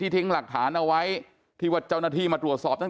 ทิ้งหลักฐานเอาไว้ที่ว่าเจ้าหน้าที่มาตรวจสอบตั้ง